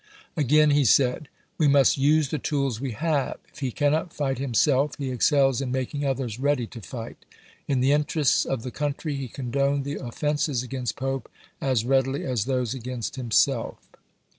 Again he said, "We must use the tools we have ; if he cannot fight him self, he excels in making others ready to fight." In the interests of the country he condoned the of fenses against Pope as readily as those against himself.